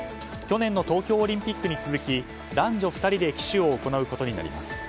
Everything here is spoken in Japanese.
去年の東京オリンピックに続き男女２人で旗手を行うことになります。